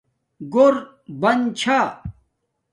گھور بن چھا